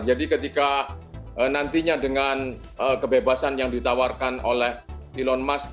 jadi ketika nantinya dengan kebebasan yang ditawarkan oleh elon musk